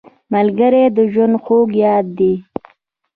ملګری د ژوند خوږ یاد دی